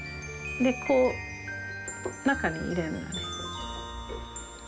こう中に入れるのね。